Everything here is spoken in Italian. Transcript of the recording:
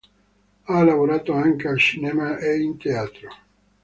Ha lavorato anche al cinema e in teatro.